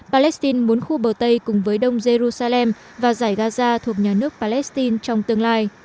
palestine muốn khu bờ tây cùng với đông jerusalem và giải gaza thuộc nhà nước palestine trong tương lai